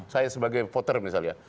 saya sebagai voter misalnya